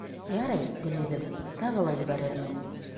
— Ярай, Гөлйөҙөм, тағы ла ебәрермен.